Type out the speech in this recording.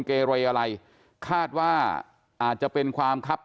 จนกระทั่งหลานชายที่ชื่อสิทธิชัยมั่นคงอายุ๒๙เนี่ยรู้ว่าแม่กลับบ้าน